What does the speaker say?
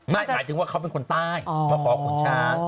หมายถึงว่าเขาเป็นคนใต้มาขอขุนช้าง